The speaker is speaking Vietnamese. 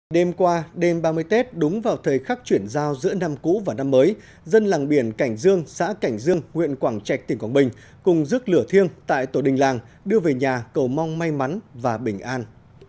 đêm qua đêm ba mươi tết đúng vào thời khắc chuyển giao giữa năm cũ và năm mới dân làng biển cảnh dương xã cảnh dương huyện quảng trạch tỉnh quảng bình cùng rước lửa thiêng tại tổ đình làng đưa về nhà cầu mong may mắn và bình an